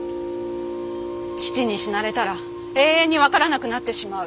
父に死なれたら永遠に分からなくなってしまう。